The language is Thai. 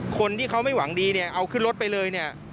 คนที่เขาไม่หวังดีเนี่ยเอาขึ้นรถไปเลยเนี่ย